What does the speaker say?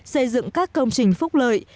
xây dựng các công trình phúc lượng